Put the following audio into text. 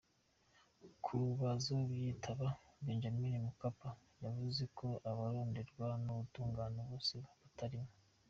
Ku bazovyitaba, Benjamin Mkapa yavuze ko abaronderwa n’ubutungane bose batarimwo.